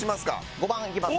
５番いきます。